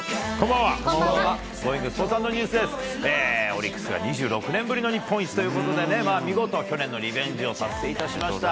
オリックスが２６年ぶりの日本一ということでね、見事、去年のリベンジを達成いたしました。